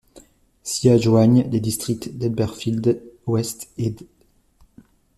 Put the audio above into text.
S’y adjoignent les districts d'Elberfeld-Ouest et d'.